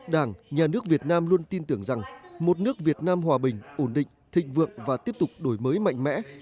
đảng nhà nước việt nam luôn tin tưởng rằng một nước việt nam hòa bình ổn định thịnh vượng và tiếp tục đổi mới mạnh mẽ